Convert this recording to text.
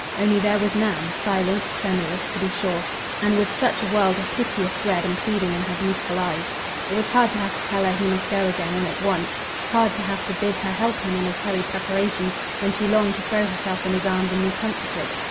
Only, there was Nan, silent, tremulous, to be sure, and with such a world of piteous dread and pleading in her beautiful eyes. It was hard to have to tell her he must go again and at once, hard to have to bid her help him in his hurried preparations, when she longed to throw herself in his arms and be comforted.